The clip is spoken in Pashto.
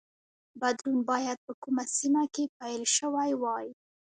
بدلون باید په کومه سیمه کې پیل شوی وای.